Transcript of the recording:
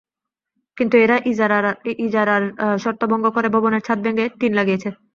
কিন্তু এরা ইজারার শর্ত ভঙ্গ করে ভবনের ছাদ ভেঙে টিন লাগিয়েছে।